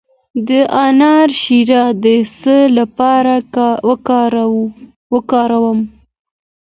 د انار شیره د څه لپاره وکاروم؟